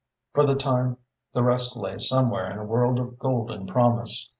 For the time the rest lay somewhere in a world of golden promise.